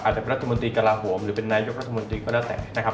จะเป็นรัฐมนตรีกระลาโหมหรือเป็นนายกรัฐมนตรีก็แล้วแต่นะครับ